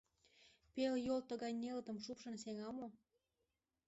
Пел йол тыгай нелытым шупшын сеҥа мо?